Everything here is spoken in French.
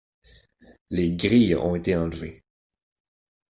Les grilles ont été enlevées.